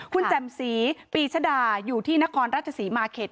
คุณแจมสีปีชะด่าอยู่ที่นครรัชศรีมาเกษ๑